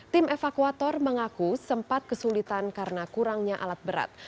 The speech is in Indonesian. tim evakuator mengaku sempat kesulitan karena kurangnya alat berat